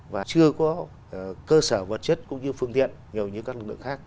và chưa có cơ sở vật chất cũng như phương tiện nhiều như các lực lượng khác